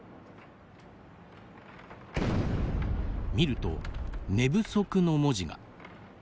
見ると、「寝不足」の文字が。